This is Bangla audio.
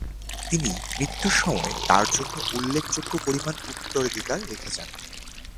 তিনি মৃত্যুর সময় তার জন্য উল্লেখযোগ্য পরিমান উত্তরাধিকার রেখে যান।